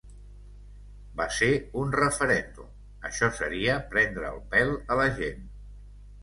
Va ser un referèndum, això seria prendre el pèl a la gent.